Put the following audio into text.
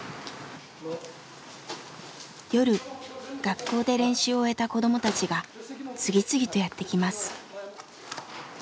夜学校で練習を終えた子供たちが次々とやって来ます。